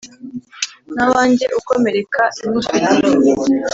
Nta wanjye ukomereka nywufite